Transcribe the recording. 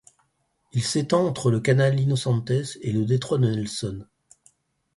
Il s'étend entre le canal Inocentes et le détroit de Nelson.